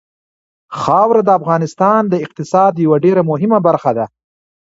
خاوره د افغانستان د اقتصاد یوه ډېره مهمه برخه ده.